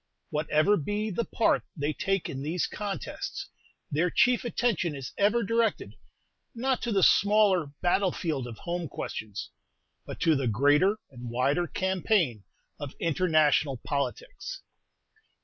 Whatever be the part they take in these contests, their chief attention is ever directed, not to the smaller battle field of home questions, but to the greater and wider campaign of international politics.